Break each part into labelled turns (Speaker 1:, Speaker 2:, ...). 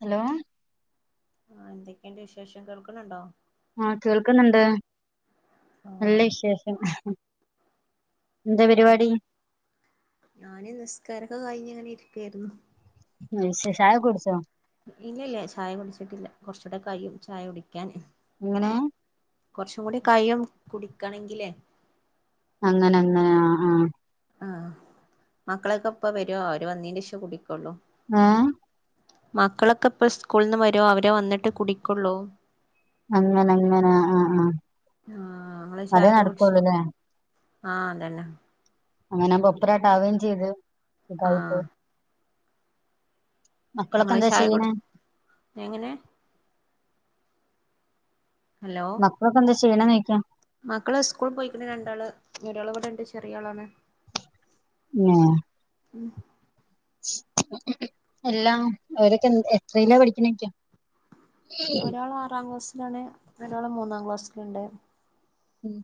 Speaker 1: Hello
Speaker 2: ആ എന്തൊക്കെയന്റെ വിശേഷം കേൾക്കുന്നുണ്ടോ?
Speaker 1: ആഹ! കേൾക്കുന്നുണ്ട് നല്ല
Speaker 2: ആഹ്
Speaker 1: വിശേഷം എന്താ
Speaker 2: ഉ
Speaker 1: പരിപാടി
Speaker 2: ഞാന് നിസ്കാരൊക്കെ കഴിഞ്ഞ അങ്ങനെ ഇരിക്കയായിരുന്നു.
Speaker 1: മ ശ ശായ കുടുിച്ചോ
Speaker 2: ഇല്ല ഇല്ല ചായ കുടിച്ചിട്ടില്ല കുറച്ചൂടെ കഴിയും ചായ കുടിക്ക ടിക്കൻ
Speaker 1: എങ്ങനെ
Speaker 2: കുറച്ചും കൂടി കയും കുടിക്കണെങ്കിലേ
Speaker 1: അങ്ങനെ അങ്ങനെ ആ.. ആഹ!
Speaker 2: ആ മക്കളൊക്കെ ഇപ്പ വരു ഒരുര് വന്നീന് ലക്ഷം കുടിക്കൊള്ളൂ
Speaker 1: ആഹ!
Speaker 2: മക്കളൊക്കെ ഇപ്പ സ്കൂളിൽ നിന്ന് വരോ അവരെ വന്നിട്ട് കുടിക്കുള്ളൂ!
Speaker 1: അങ്ങന അങ്ങനെ ആഹ് ആഹ അതേ നടക്കുള്ളല്ലേ
Speaker 2: ആഹ അതന്നെ
Speaker 1: അങ്ങനൊവുമ്പത്രരട്ട ആാവുകയും ചെയ്തു ചുതായിട്ട്
Speaker 2: ആഹ്
Speaker 1: മക്കളൊക്കെ
Speaker 2: ഇങ്ങള്
Speaker 1: എന്താ
Speaker 2: ചായ
Speaker 1: ചെയ്യണ?
Speaker 2: കുടി എങ്ങനെ ഹലോ
Speaker 1: മക്കളൊക്കെ എന്താ ചെയ്യണ നീക്കാ
Speaker 2: മക്കള് സ്കൂൾ പോയിക്കണ രണ്ടാള് ഒരാള് ഇവിടെണ്ട് ചെറിയ ആളാണ്
Speaker 1: ആഹ
Speaker 2: ഉം
Speaker 1: എല്ലാം ഓരൊക്കെ എ എത്രല്ല പഠിക്കണക്ക
Speaker 2: ഒരാള് ആറാം ക്ലാസ്സിലാണ് ഒരാള് മൂന്നാം ക്ലാസ്സിലുണ്ട്.
Speaker 1: ഉം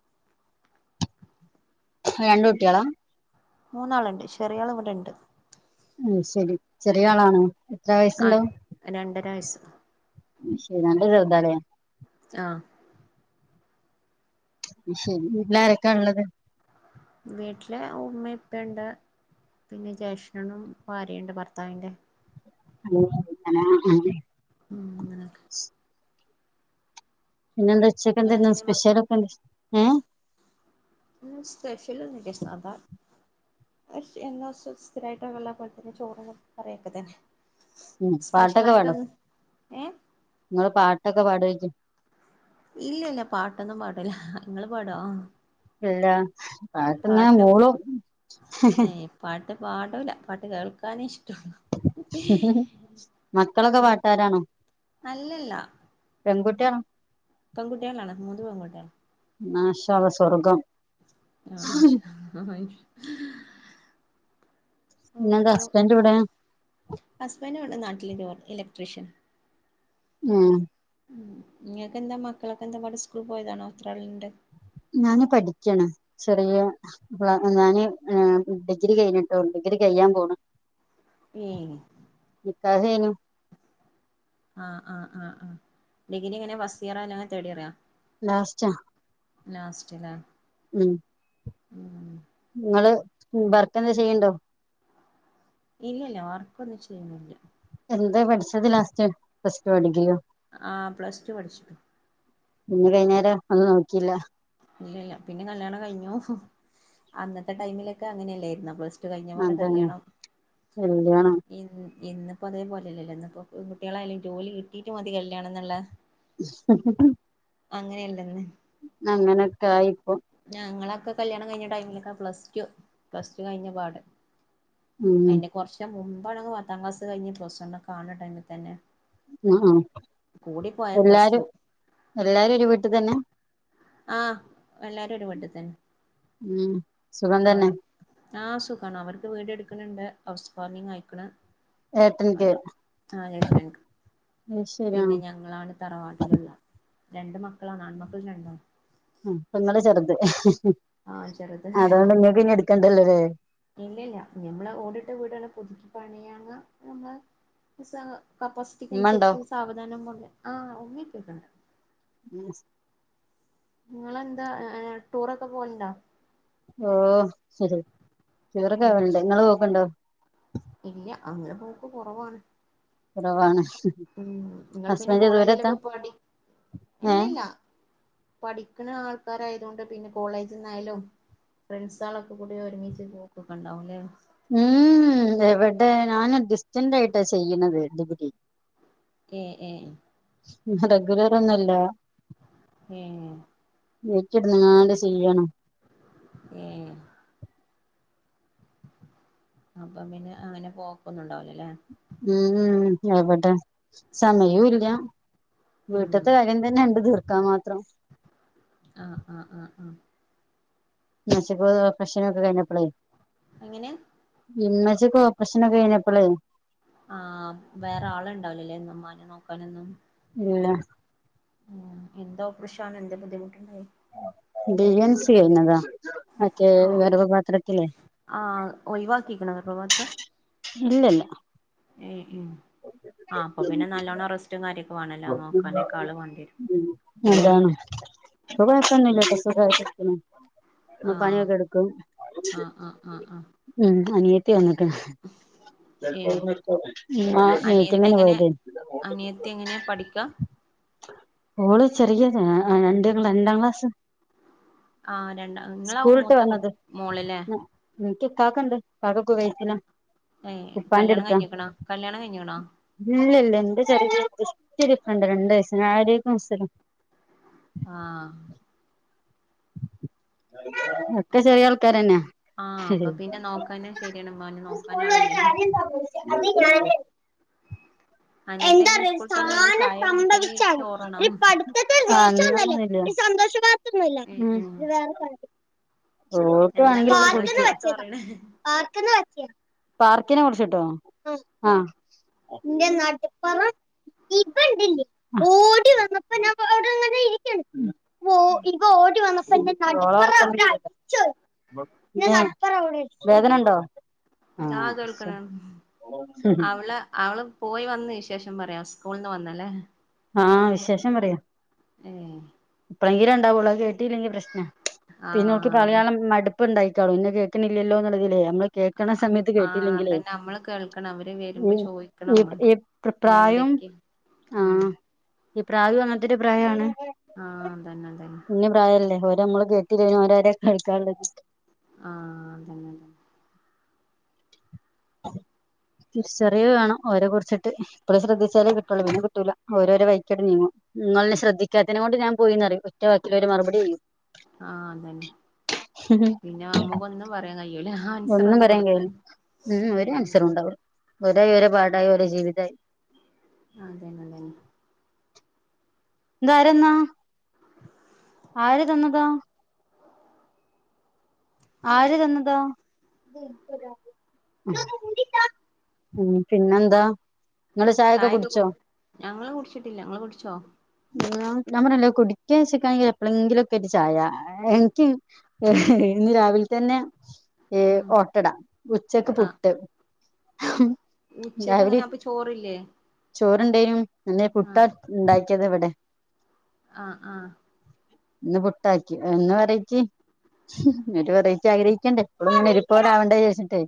Speaker 1: രണ്ട കുട്ടികളാ
Speaker 2: മൂന്നാളുണ്ട് ചെറിയൾ ഇവിടെണ്ട്.
Speaker 1: ഉ ശരി ചെറിയ ആളാണ് എത്ര
Speaker 2: ആ
Speaker 1: വയസുണ്ടാവും?
Speaker 2: രണ്ടര വയസ്സ്
Speaker 1: ശരി നല്ല ചെറുതാ അല്ലെ
Speaker 2: ആഹ!
Speaker 1: ശെരി വീട്ടിലാരൊക്കാ ഉള്ളത്?
Speaker 2: വീട്ടില് ഉമ്മ ഉപ്പുണ്ട് പിന്നെ ജേഷ്ണനും ഭാര്യുണ്ട് ഭർത്താവിറന്റെ
Speaker 1: ഓ
Speaker 2: ഉം അങ്ങനക്കെ
Speaker 1: പിന്നെന്ത ഉച്ചക്കെ എന്ത
Speaker 2: നിങ്ങളെങ്ങനെ മ
Speaker 1: സ്പെഷ്യൽ ഒക്കെണ്ട് ഏ
Speaker 2: സ്പെഷ്യൽ പക്ഷെ എന്നാവസ്ഥിരമായിട്ട് കള്ള പോലെ തന്നെ ചോറും പറയൊക്കെ തന്നെ
Speaker 1: ഉം പാട്ടൊക്കെ പാട
Speaker 2: സ്പെഷ്യലായിട്ടൊന്നും ഏ
Speaker 1: നിങ്ങള് പാട്ടൊക്കെ പാടിക്കു
Speaker 2: ഇല്ല ഇല്ല പാട്ടൊന്നും പാട്ടില്ല നിങ്ങള് പാടോ?
Speaker 1: ഇല്ല പഴക്കന്ന
Speaker 2: പാട്ട്
Speaker 1: മൂളും
Speaker 2: അ പാടമില്ല പാട്ട് കേൾക്കാനൻ ഇഷ്ടം
Speaker 1: മക്കളൊക്കെ പാട്ടാരാണോ?
Speaker 2: അല്ലല്ല
Speaker 1: ഇതാ
Speaker 2: പെങ്കുട്ടിയാാണ് അനക്ക് മുന്ന് പെങ്കുട്ടിയാണ്
Speaker 1: നാശദ സ്വർഗം
Speaker 2: ആ..
Speaker 1: പിന്നെ എന്റെ
Speaker 2: അപ്പൊ
Speaker 1: ഹസ്ബൻറ് കൂടെ
Speaker 2: ഹസ്ബൻഡ് ഇവിടെ നാട്ടില് ഇലക്ട്രീഷ്യൻ
Speaker 1: ഉം
Speaker 2: ഉ നിങ്ങൾക്ക് എന്താ മക്കളൊക്കെ എന്താ സ്കൂൾ പോയതാണോ അത്രളണ്ട്?
Speaker 1: ഞാന് പഠിക്കാണ് ചെറിയ ക്ലാ ഞാന് എഹ് ഡിഗ്രി കഴിഞ്ഞിട്ടേ ഉള്ളേ ഡിഗ്രി കഴിയാൻ പോണ്
Speaker 2: ഈ
Speaker 1: ക്ലാസ്സ് കഴിഞ്ഞു
Speaker 2: ആഹ് ആഹ് ആ ആ ഡിഗ്രി ഇങ്ങനെ ഫസ്റ്റ് ഇയറാ അല്ലെങ്ങെ തേടിയറാ
Speaker 1: ലാസ്റ്റാ
Speaker 2: ലാസ്റ്റ്ലെ
Speaker 1: ഉം
Speaker 2: [unintelligible]
Speaker 1: ഇങ്ങള് വർക്ക് എന്താ ചെയിണ്ടോ
Speaker 2: ഇല്ലല്ല വർക്കൊന്നും ചെയ്യുന്നില്ല
Speaker 1: എന്താ പഠിച്ചത് ലാസ്റ്റ് പ്ലസ് ടു ഓ ഡിഗ്രിയോ
Speaker 2: ആ പ്ലസ് ടു പഠിച്ചു
Speaker 1: പിന്നെ വൈന്നേരം ഒന്നും നോക്കില്ല
Speaker 2: ഇല്ല ഇല്ല പിന്നെ കല്യാണം കഴിഞ്ഞു അന്നത്തെ ടൈമിലൊക്കെ അങ്ങനല്ലായിരുന്ന പ്ലസ് ടു കഴിഞ്ഞപ്പാട്
Speaker 1: അതാണ്
Speaker 2: കല്യാണം
Speaker 1: കല്യാണം
Speaker 2: ഇൻ ഇന്നിപ്പോ അതേ പോലല്ലല്ലോ ഇന്നിപ്പോ കുട്ടികളായാലും ജോലി കിട്ടീട്ട് മതി കല്യാണം എന്നുള്ള അങ്ങനെയല്ലെന്ന്
Speaker 1: ന്നങ്ങനൊക്കായി
Speaker 2: ഞങ്ങളൊക്കെ കല്യാണം കഴിഞ്ഞ ടൈമിലൊക്കെ പ്ലസ് ടു പ്ലസ് ടു കഴിഞ്ഞ പാടെ
Speaker 1: ഉം
Speaker 2: അതിന്റെ കൊറച്ച് മുമ്പാണങ്കെ പത്താം ക്ലാസ് കഴിഞ്ഞ് പ്ലസ് ടു വിലൊക്കെ ആകണ ടൈമില് തന്നെ
Speaker 1: ആ ആ
Speaker 2: കൂടിപ്പോയാ പ്ലസ്
Speaker 1: എല്ലാരും
Speaker 2: ടു
Speaker 1: എല്ലാരും ഒരു വീട്ടിൽ തന്നെ
Speaker 2: ആ എല്ലാരും ഒരുവ്ട്ടിൽ തന്നെ
Speaker 1: ഉം സുഖം തന്നെ
Speaker 2: ആ സുഖാണ് അവർക്ക് വീട് എടുക്കണ്ണ്ട് ഹൗസ് വാമിങ് ആയിക്കണ്
Speaker 1: ഏട്ടന്റെ
Speaker 2: പിന്നെ ഞങ്ങളാണ് തറവാട്ടിലുള്ള രണ്ട് മക്കളാണ് ആൺമക്കൾ രണ്ടാ
Speaker 1: ഉം പ്പങ്ങള് ചെറുത്
Speaker 2: ആഹ്
Speaker 1: അതുകൊണ്ട് നിങ്ങക്ക് ഇനി എടുക്കണ്ടല്ലോല്ലേ
Speaker 2: ഇല്ലല്ല ഞമ്മള് ഓടിട്ട് വീടാണ് പുതുക്കി പണിയാങ്ങ നമ്മടെ സ കപ്പാസിറ്റിക്ക്
Speaker 1: ഉമ്മ ഉണ്ടോ
Speaker 2: അനുസരിച്ച് സാവധാനം [unintelligible] ആ ഒമ്മിക്കൊണ്ടാവടെ ഇങ്ങളെന്താ ടൂറൊക്കെ പോണ്ട
Speaker 1: ഓ ശരി ടൂറൊക്കെ
Speaker 2: ഉം
Speaker 1: പോണ്ട് നിങ്ങള് പോക്ണ്ടോ
Speaker 2: ഇല്ല അങ്ങനെ പോക്ക് കൊറവാണ്
Speaker 1: കൊറവാണ്
Speaker 2: ഉം നിങ്ങൾ പിന്നെ കോളേജിലൊക്കെ പാടി
Speaker 1: ഏ
Speaker 2: ഇല്ലല്ല പഠിക്കണ ആൾക്കാരായതൊണ്ട് പിന്നെ കോളേജിന്നായാലും ഫ്രണ്ട്സാളൊക്കെ കൂടി ഒരുമിച്ച് പോക്കൊക്കെ ഇണ്ടാവുല്ലേ
Speaker 1: ഉം എവടെ ഞാന് ഡിസ്റ്റന്റ് ആയിട്ടാ ചെയ്യണത് ഡിഗ്രി
Speaker 2: ഏ ഏ
Speaker 1: റെഗുലറ് ഒന്നല്ല
Speaker 2: ഏ
Speaker 1: [unintelligible] ചെയ്യണം
Speaker 2: ഏ അപ്പൊ പിന്നെ അങ്ങനെ പോക്കൊന്നൊണ്ടാവില്ല
Speaker 1: ഉം എവടെ സമയോല്ല
Speaker 2: ഉം
Speaker 1: വീട്ട്ത്തെ കാര്യം തന്നെ ഇണ്ട് തീർക്കാൻ മാത്രം
Speaker 2: ആ ആ ആഹ് ആ
Speaker 1: [unintelligible] പ്രശ്നൊക്കെ കഴിഞ്ഞപ്പളേ
Speaker 2: എങ്ങനെ
Speaker 1: [unintelligible] ഇച്ച് ഇപ്പ ഓപ്പറേഷനൊക്കെ കഴിഞ്ഞപ്പള്
Speaker 2: ഇമ്മാനെ നോക്കാനൊന്നും
Speaker 1: ഇല്ല
Speaker 2: ഏ എന്ത്‌ ഓപ്പറേഷനാണ് എന്തെ ബുദ്ധിമുട്ടുണ്ടായി
Speaker 1: ഡി എൻ സി ഴിഞ്ഞതാ മറ്റേ
Speaker 2: ഓഹ്
Speaker 1: ഗർഭപാത്രത്തിലെ
Speaker 2: ആഹ് ഒഴിവാക്കിക്കണോ
Speaker 1: ഇല്ലല്ല
Speaker 2: ഏ ഇമ് ആ അപ്പൊ പിന്നെ നല്ലോണ്ണം റസ്റ്റും കാര്യ
Speaker 1: [unintelligible] ഉം ഏതാണ് ഇപ്പൊ കൊഴപ്പൊന്നില്ലട്ടോ സുഖാ യിട്ടിരിക്ക്‌ണ് ഇമ്മ
Speaker 2: ആഹ്
Speaker 1: പണിയൊക്കെ എട്ക്കും
Speaker 2: ആഹ് ആഹ് ആഹ് ആഹ്
Speaker 1: ഉം അനിയത്തിയാണ്
Speaker 2: ഏഹ്
Speaker 1: ഇമ്മാ
Speaker 2: അനിയത്തി
Speaker 1: മീറ്റിംഗിന്
Speaker 2: എങ്ങനെ
Speaker 1: പോയതെനി
Speaker 2: അനിയത്തി എങ്ങനെ പഠിക്ക്‌
Speaker 1: ഓള് ചെറിയത ആ രണ്ട് രണ്ടാം ക്ലാസ്
Speaker 2: ആ രണ്ട നിങ്ങളാവും മൂത്ത കു മോള് ല്ലെ
Speaker 1: നിക്ക്‌ക്കാക്കണ്ട് ഇക്കാക്ക കുവൈത്തില
Speaker 2: ഏ കല്യാണം കഴിഞ്ഞിക്ക്ണ കല്യാണം കഴിഞ്ഞ്ണോ
Speaker 1: എന്റെ ചെറിയ ബേസ്റ്റോര് ഫ്രണ്ട രണ്ട് വയസ്സിന് അലൈകും മുസ്സലാം
Speaker 2: ആ
Speaker 1: ഒക്കെ ചെറിയ ആൾക്കാരെന്നെ
Speaker 2: ആ അപ്പ പിന്നെ നോക്കാന് ശരിയാണ് ഇമ്മാനെ നോക്കാനും
Speaker 1: സ്കൂളിൽ ഒരു
Speaker 2: ആളില്ലല്ലേ
Speaker 1: കാര്യം [inaudible]
Speaker 2: അനിയത്തി എങ്ങനെ സ്കൂളിട്ട് വന്ന എന്താ
Speaker 1: [inaudible]
Speaker 2: ചായ കുടിക്കല്
Speaker 1: അങ്ങനെന്നുല്ല
Speaker 2: ചോറാണോ
Speaker 1: സന്തോഷവാർത്തൊന്നുല്ല മ്
Speaker 2: ഉം ഉം
Speaker 1: [unintelligible] [inaudible]
Speaker 2: എന്താണ് സന്തോഷ വാർത്ത പറയണേ
Speaker 1: പാർ ക്ക്നെ കുറിച്ച്ട്ടോ ആ ന്റെ നട്പ്പുറം ഇപ്പ ണ്ട് ല്ലെ ഓടി വന്നപ്പം ഞാൻ ഇപ്പ അവിടെങ്ങനെ ഇരിക്കാണ് [inaudible] [inaudible] വേദന ഇണ്ടോ
Speaker 2: [unintelligible] അവള അവളും പോയി വന്ന് വിശേഷം പറയാവും സ്കൂളിന്ന് വന്നല്ലേ
Speaker 1: ആ വിശേഷം പറയാ
Speaker 2: ഏ
Speaker 1: പ്പരെങ്കി ഇണ്ടാവൊള്ളൂ അഹ്‌ കേട്ടിയില്ലെങ്കിൽ പ്രശ്ന പിന്നെ
Speaker 2: ആഹ്
Speaker 1: അവൾക്ക്
Speaker 2: അത്
Speaker 1: പറയാള്ള മട് പ്പ ഇണ്ടായിക്കാളും ഇന്നെ കേക്ക്ണ് ല്ലല്ലോന്ന ളതില് കേക്ക്ണ സമയത്ത്
Speaker 2: ആഹ്
Speaker 1: കേട്ടില്ലെങ്കിലെ
Speaker 2: അതന്നെ നമ്മള് കേൾക്കണം അവര്
Speaker 1: ഈ
Speaker 2: വരുമ്പോ
Speaker 1: ഈ ഈ പ്രായം
Speaker 2: ആ
Speaker 1: ആഹ് ഈ പ്രായു അങ്ങൻതൊരു ഒരു പ്രായാ ണ്
Speaker 2: ആ അതന്നെ അതന്നെ
Speaker 1: ഓരെ നമ്മള് കേട്ടില്ലെങ്കിലെ ഓലെ ആരെ കേൾക്കാള്ളെ
Speaker 2: ആ അതന്നെ തന്നെ
Speaker 1: [unintelligible] തിരിച്ചറിയേ വേണം ഓരെ കുറിച്ചിട്ട് ഇപ്പഴേ ശ്രദ്ധിച്ചാലേ കിട്ടുള്ളൂ പിന്നെ കിട്ടൂല ഓരോരെ വൈക്കട് നീങ്ങും നിങ്ങള് ന്നെ ശ്രദ്ധിക്കാത്തെനെ കൊണ്ട് ഞാൻ പോയി ന്ന് റിയും ഒറ്റവാക്കിലൊരു മറുപടി കയ്യും
Speaker 2: ആ അതന്നെ പിന്നെ അമ്മുക്കൊന്നും പറയാൻ കഴി ല ഹാൻസർ
Speaker 1: ഒന്നും
Speaker 2: ന്ന്
Speaker 1: പറയാൻ കഴിയില്ല
Speaker 2: കൊടുക്കാന് മ്
Speaker 1: ഒരായി ഒര പാടായി ഓരെ ജീവിതായി
Speaker 2: ആ അതന്നെ അതന്നെ
Speaker 1: ഇത് ആര്ന്നാ ആര് തന്നതാ ആര് തന്നതാ മ്മ് പിന്നെന്താ നിങ്ങള്
Speaker 2: ചായൊക്കെ
Speaker 1: കുടിച്ചോ
Speaker 2: കുട് ഞങ്ങൾ കുടിച്ചിട്ടില്ല ങ്ങളൾ കുടിച്ചോ
Speaker 1: ഞാൻ പറഞ്ഞല്ലോ കുടിക്കാച്ചക്കാണെങ്കിൽ എപ്പഴെങ്കിലൊക്കൊരു ചായ എനിക്ക ഇന്ന് രാവിലെ തന്നെ
Speaker 2: ഉം
Speaker 1: ഓട്ടട ഉച്ചക്ക്
Speaker 2: ആഹ്
Speaker 1: പുട്ട്
Speaker 2: ഉച്ചക്ക് അങ്ങനെ
Speaker 1: രാവിലിം
Speaker 2: അപ്പൊ ചോറില്ലേ
Speaker 1: ചോറ്ണ്ടേനൊ അല്ലേ പുട്ട
Speaker 2: ആഹ്
Speaker 1: ഉണ്ടാ ക്കിയത് വടെ
Speaker 2: ആഹ് ആ
Speaker 1: ഇന്ന് പുട്ടാക്കി എന്ന് വെറൈറ്റി പിന്നൊരു വെറൈറ്റി ആഗ്രഹിക്കണ്ടേ എപ്പോഴുങ്ങനെ ഒര്പോലാവണ്ട വിചാര്ച്ച്ട്ടെ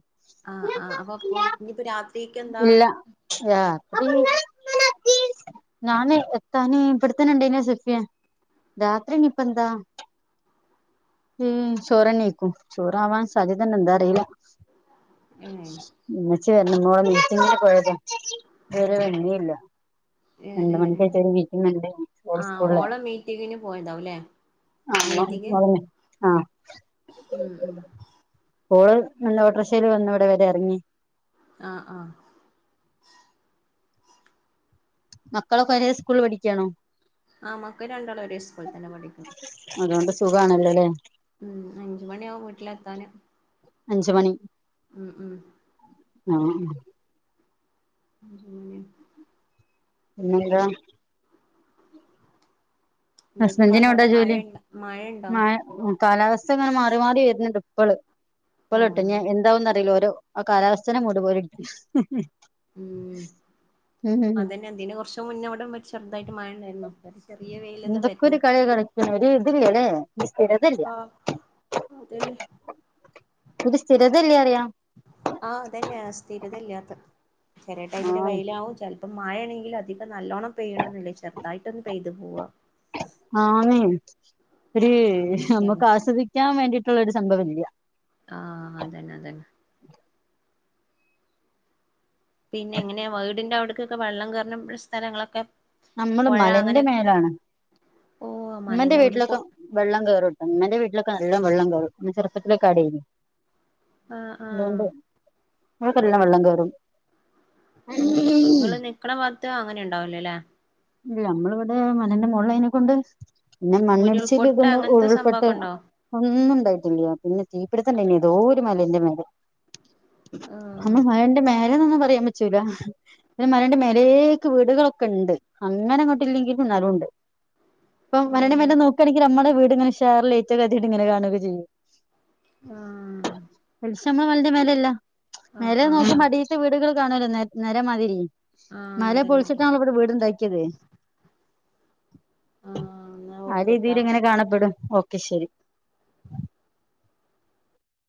Speaker 2: ആഹ് ആഹ് അപ്പൊ അപ്പൊ ഇനിയിപ്പോ രാത്രിക്ക് എന്താ
Speaker 1: ഇല്ല ഞാന് എത്താന് വടെത്തന്നെ സെഫിയ രാത്രിനിപ്പന്താ മ്മ് ചോറഞേക്കും ചോറാവാൻ സാധ്യതന്നെ എന്താ അറിയില
Speaker 2: ഏഹ്
Speaker 1: മ്മ് ന്ന് ഓളെ മീറ്റിങ്ന് പോയത ഇതുവരെ വന്നില്ല
Speaker 2: ഏഹ്
Speaker 1: രണ്ട്
Speaker 2: ഏഹ് ഏഹ്
Speaker 1: മണിക്കറ്റെ ഒരു മീറ്റിംഗുണ്ട്
Speaker 2: ആഹ്
Speaker 1: സ്കൂളില്
Speaker 2: ഓളെ മീറ്റിങ്ങിന് പോയതാവുല്ലേ
Speaker 1: ആഹ
Speaker 2: മ്മ്
Speaker 1: ഓൾ നല്ല ഓട്ടോറിക്ഷൽ വന്നു ഇവിടെ വരെ ഇറങ്ങി
Speaker 2: ആഹ് ആ
Speaker 1: മക്കളൊക്കെ ഒരേ സ്കൂളിൽ പഠിക്കാണോ
Speaker 2: ആ മക്ക രണ്ടാളം ഒരേ സ്കൂളിൽ തന്നെ പഠിക്കണ
Speaker 1: അതുകൊണ്ട് സുഖാണല്ലോല്ലേ
Speaker 2: മ്മ് അഞ്ച് മണിയാവും വീട്ടിലെത്താന്
Speaker 1: അഞ്ച് മണി
Speaker 2: മ്മ് മ്മ്
Speaker 1: ആഹ
Speaker 2: പന്നെ
Speaker 1: പിന്നെന്താ
Speaker 2: ന്തൊക്കെ
Speaker 1: ഹസ്ബൻഡിന് എവിടാ
Speaker 2: പാടവ്ടെ മഴ മഴണ്ടോ
Speaker 1: കാലാവസ്ഥങ്ങനെ മാറി മാറി വരുന്നുണ്ട് ഇപ്പൾ ഇപ്പൾട്ടോ
Speaker 2: ഓഹ്
Speaker 1: ഞ്ഞി എന്താവുംന്നറീല ഓരോ ആ കാലാവസ്ഥനെ മൂഡ് പോലെ
Speaker 2: മ്മ്
Speaker 1: ഉം
Speaker 2: അതന്നെ അതിന് കുറച്ച് മുന്നേവ്ടെ ചെറുതായിട്ട് മഴണ്ടായിരുന്നു
Speaker 1: എന്തൊക്കൊരു കളിയാണ് കളിക്കണ ഒരു ഇത് ല്ലലേ
Speaker 2: ആഹ് അതല്ലേ
Speaker 1: ഒരു സ്ഥിരതല്ലാറിയാ
Speaker 2: ആഹ് അതന്നെയ സ്ഥിരതല്ലാത്ത
Speaker 1: ആ
Speaker 2: ചെല വെയിലാവും പ്പൊ മഴേണെങ്കിലും അധികം നല്ലോണ്ണം പെയ്യ്ണൊന്നുല്ല ചെറുതായിട്ടൊന്ന് പെയ്തു പോവാ
Speaker 1: ഒര് അ
Speaker 2: അങ്ങനെയൊക്കെയാണ്
Speaker 1: നമ്മക്ക് ആസ്വദിക്കാൻ വേണ്ടിയിട്ടുള്ള ഒരു സംഭവം ഇല്ല
Speaker 2: ആഹ് അതന്നെ അതന്നെ പിന്നെങ്ങനെയാ വീടിന്റെ അവിടക്കൊക്കെ വെള്ളം കേറ്ണ സ്ഥലങ്ങളൊക്കെ
Speaker 1: നമ്മള്
Speaker 2: പുഴ
Speaker 1: മലന്റെ
Speaker 2: അങ്ങനെ
Speaker 1: മേലാണ്
Speaker 2: ഓ
Speaker 1: ഇമ്മന്റെ
Speaker 2: മലന്നെ ഉരുൾപൊ
Speaker 1: വീട്ടിലൊക്കെ വെള്ളം കേറും മ്മന്റെ വീട്ടിലൊക്കെ നല്ല വെള്ളം കേറും ഞാൻ ചെറുത്തിലൊക്കെ അവിടേനി
Speaker 2: ആ ആ
Speaker 1: വടൊക്കെ നല്ല വെള്ളം കേറും
Speaker 2: ഇപ്പൊ ങ്ങൾനിക്കണ ഭാഗത്ത് അങ്ങനെ ണ്ടാവൂലലേ
Speaker 1: നമ്മളിവിടെ മനന്റെ മുകള അനെക്കൊണ്ട് പിന്നെ മണ്ണിടിച്ചൽ
Speaker 2: ഉരുൾപൊട്ട്
Speaker 1: പിന്നെ
Speaker 2: അങ്ങനത്തെ
Speaker 1: ഉരുൾപെട്ട
Speaker 2: സംഭവൊക്കെ ഉണ്ടോ
Speaker 1: ഒന്നും ഉണ്ടായിട്ടില്ല പിന്നെ തീപ്പിടുത്തണ്ടെന്ന് ഏതോരു മലന്റെ മേലേ നമ്മ
Speaker 2: ആ
Speaker 1: മലന്റെ മേ [unintelligible] ന്നൊന്നും പറയാൻ പറ്റൂല പിന്ന മലന്റെ മേലക്ക് വീടുകളൊക്കെ ഉണ്ട് അങ്ങനെ ഇങ്ങോട്ടില്ലെങ്കി പിന്നാരോണ്ട് ഇപ്പൊ വരണ വരെ
Speaker 2: ആ
Speaker 1: നോക്കണെങ്കിൽ നമ്മടെ വീട് ഇങ്ങനെ ഷെർൽ ലൈറ്റ്ഒക്ക കത്തിട്ട് ഇങ്ങെ കാണുക്കെ ചെയ്യും
Speaker 2: ആഹ്
Speaker 1: ഷേ മ്മൾ മലെന്റെ മേലേല്ല മേലെ
Speaker 2: ആഹ്
Speaker 1: നോക്കുമ്പോ
Speaker 2: ആഹ്
Speaker 1: അടിത്ത വീടുകള് കാണല്ലോ നെ നെര മാതിരി
Speaker 2: ആഹ്
Speaker 1: മല
Speaker 2: അതന്നെ
Speaker 1: പൊളിച്ചിട്ടണോ ഇവിടെ വീട്ണ്ടാക്കിയത്
Speaker 2: ആഹ് എന്നാ
Speaker 1: ആ
Speaker 2: ഓക്കേട്ടാ
Speaker 1: രീതിയിൽ ഇങ്ങനെ കാണപ്പെടും ഓക്കെ ശരി